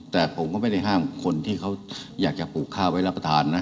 แต่ผมก็ไม่ได้ห้ามคนที่เขาอยากจะปลูกข้าวไว้รับประทานนะ